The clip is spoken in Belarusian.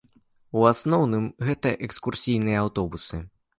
У асноўным, гэта экскурсійныя аўтобусы.